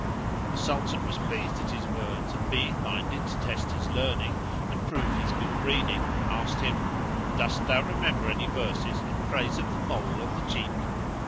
The Sultan was pleased at his words and, being minded to test his learning and prove his good breeding, asked him, "Dost thou remember any verses in praise of the mole on the cheek?"